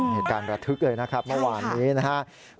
เหตุการณ์ระทึกเลยนะครับเมื่อวานนี้นะครับ